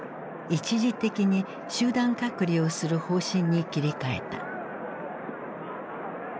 一時的に集団隔離をする方針に切り替えた。